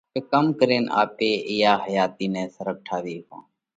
پي ڪم ڪرينَ آپرِي اِيئا حياتِي نئہ سرڳ ٺاوي هيڪونه؟